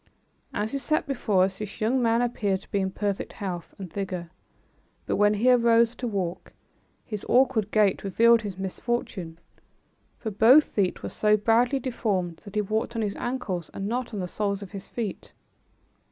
As he sat before us this young man appeared to be in perfect health and vigor, but when he rose to walk, his awkward gait revealed his misfortune, for both feet were so badly deformed that he walked on his ankles and not on the soles of his feet.